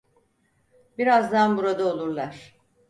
Birazdan burada olurlar.